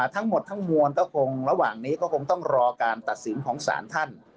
ทั้งหมดทั้งมวลก็คงระหว่างนี้ก็คงต้องรอการตัดสินของศาลท่าน